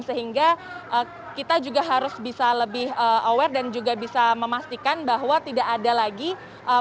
sehingga kita juga harus bisa lebih aware dan juga bisa memastikan bahwa tidak ada yang akan melakukan demonstrasi terkait dengan bbm